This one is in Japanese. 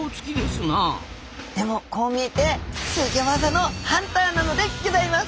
でもこう見えてすギョ技のハンターなのでギョざいます。